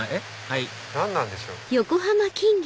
はい何なんでしょう？